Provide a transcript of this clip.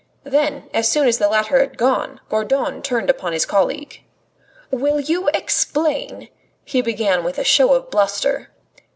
Then, as soon as the latter had gone, Gourdon turned upon his colleague. "Will you explain " he began with a show of bluster.